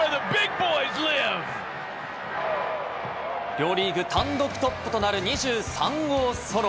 両リーグ単独トップとなる２３号ソロ。